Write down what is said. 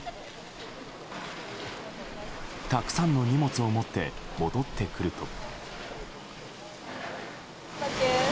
たくさんの荷物を持って戻ってくると。